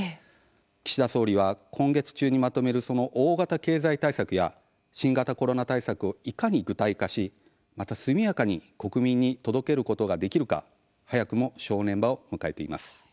岸田総理は今月中にまとめる大型経済対策や新型コロナ対策をいかに具体化し、速やかに国民に届けることができるか早くも正念場を迎えています。